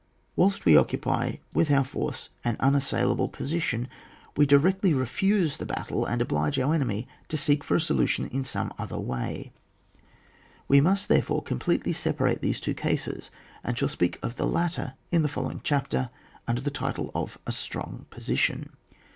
Whilst we occupy with our force an unassailable position, we directly refuse the battle, and oblige our enemy to seek for a solution in some other way. We must, therefore, completely sepa rate these two cases, and shall speak of the latter in the following chapter, under the title of a strong position.